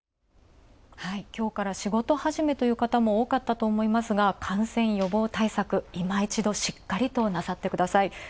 きょうから仕事始めという方も多かったと思いますが感染予防対策、今一度、しっかりとなさってください。